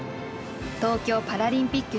東京パラリンピック